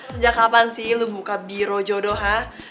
sejak kapan sih lo buka biro jodoh hah